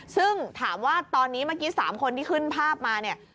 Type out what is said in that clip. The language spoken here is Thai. ซึ่งถามว่าตอนนี้เมื่อกี้๓คนที่ขึ้นภาพมาเนี่ย